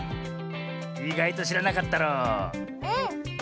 いがいとしらなかったろう？